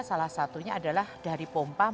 salah satunya adalah dari pompa mau pembebasan